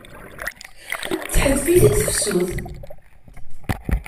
Theddef-it-id tusut.